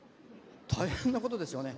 大変なことですよね。